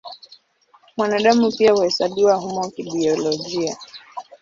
Mwanadamu pia huhesabiwa humo kibiolojia.